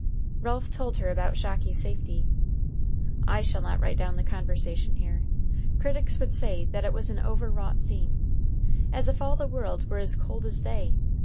Ralph told her about Shocky's safety. I shall not write down the conversation here. Critics would say that it was an overwrought scene. As if all the world were as cold as they!